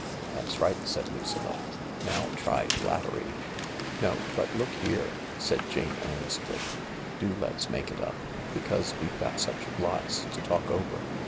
" That's right," said Lucilla, " now try flattery 1 " "No— but look here I" said Jane earnestly. "Do let's make it up. Because we've got such lots to talk over.